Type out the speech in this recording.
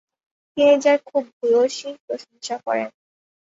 তিনি যার খুব ভূয়সী প্রশংসা করেন।